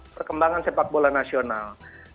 perkembangan sepak bola nasional